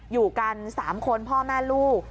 อยู่กัน๓คนพ่อแม่ลูก